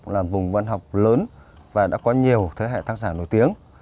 là một vùng văn học lớn và đã có nhiều thế hệ thác giả nổi tiếng